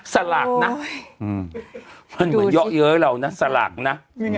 สลากน่ะสลากน่ะอืมมันเหมือนเยอะเยอะเหล่าน่ะสลากน่ะ